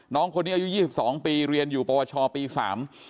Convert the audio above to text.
น้องคนนี้อายุยี่สิบสองปีเรียนอยู่ปวชปีสาม